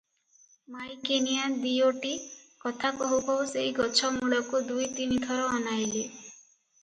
ମାଈକିନିଆ ଦିଓଟି କଥା କହୁ କହୁ ସେହି ଗଛ ମୂଳକୁ ଦୁଇ ତିନି ଥର ଅନାଇଲେ ।